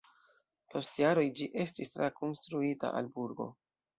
Post jaroj ĝi estis trakonstruita al burgo.